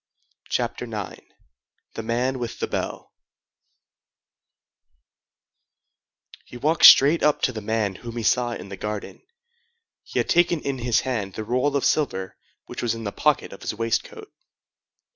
CHAPTER IX—THE MAN WITH THE BELL He walked straight up to the man whom he saw in the garden. He had taken in his hand the roll of silver which was in the pocket of his waistcoat.